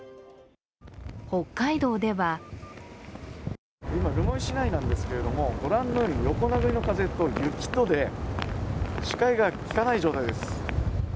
北海道では留萌市内なんですが、ご覧のように横殴りの風と雪とで、視界がきかない状態です。